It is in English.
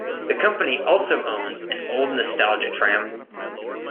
The company also owns an old nostalgia tram.